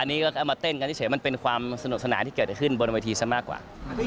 อันนี้ก็เอามาเต้นกันที่เฉยเป็นความสนุกสนานที่เกี่ยวถ้าขึ้นบนโรควีดีโนโฟนมากกว่า